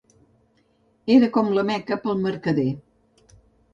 era com la Mecca per al mercader.